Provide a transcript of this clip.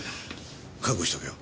覚悟しとけよ。